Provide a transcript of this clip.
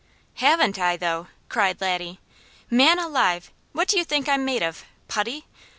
"Haven't I though?" cried Laddie. "Man alive! What do you think I'm made of? Putty?